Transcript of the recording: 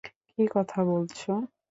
কী কথা বলছ।